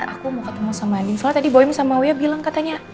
aku mau ketemu sama andien soalnya tadi boim sama oya bilang katanya